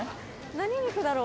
何肉だろう？